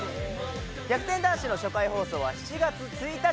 『逆転男子』の初回放送は７月１日です。